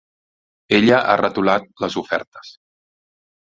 Ella ha retolat les ofertes.